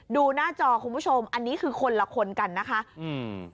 ดูหน้าจอคุณผู้ชมอันนี้คือคนละคนกันนะคะอืม